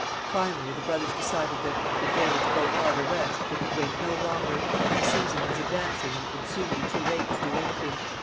Finally the brothers decided that, if they were to go farther west, they could wait no longer, for the season was advancing and it would soon be too late to do anything.